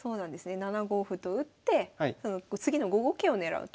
７五歩と打って次の５五桂を狙うと。